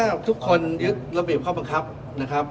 ถ้าทุกคนยึดระเบียบข้อบังคับนะครับ